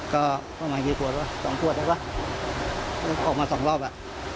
ก็ประมาณกี่ขวดป่ะสองขวดได้ป่ะออกมาสองรอบอ่ะ